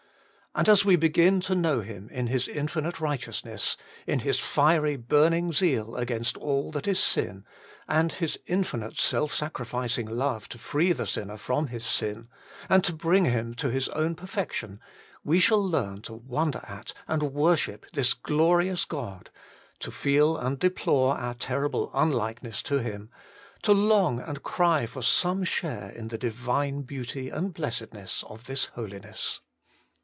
And as we begin to know Him in His infinite righteous ness, in His fiery burning zeal against all that is sin, and His infinite self sacrificing love to free the sinner from his sin, and to bring him to His own perfection, we shall learn to wonder at and worship this glorious God, to feel and deplore our terrible unlikeness to Him, to long and cry for some share in the Divine beauty and blessedness of this Holiness.